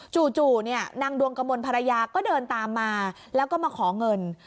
จู่เนี่ยนางดวงกมลภรรยาก็เดินตามมาแล้วก็มาขอเงิน